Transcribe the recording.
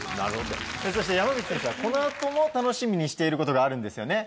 そして山口選手はこの後も楽しみにしていることがあるんですよね？